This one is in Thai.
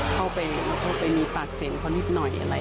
เข้าไปมีปากเสียงพอนิดหน่อยอะไรอย่างนี้